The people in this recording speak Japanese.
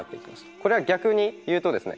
これは逆に言うとですね